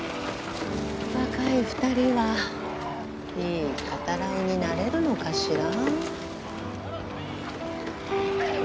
若い２人はいいカタライになれるのかしら。